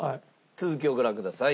続きをご覧ください。